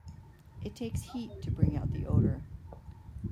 It takes heat to bring out the odor.